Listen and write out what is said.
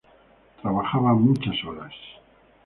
Trabajaba muchas horas.